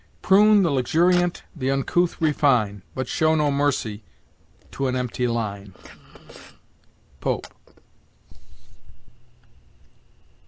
"Prune the luxuriant, the uncouth refine, But show no mercy to an empty line." Pope.